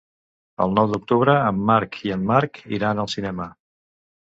El nou d'octubre en Marc i en Marc iran al cinema.